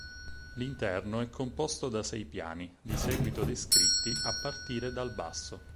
L'interno è composto da sei piani, di seguito descritti a partire dal basso.